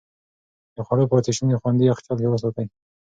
د خوړو پاتې شوني خوندي يخچال کې وساتئ.